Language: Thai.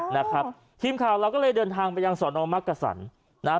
นะครับทีมข่าวเราก็เลยเดินทางไปยังสอนอมักกษันนะฮะ